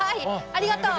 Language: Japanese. ありがとう！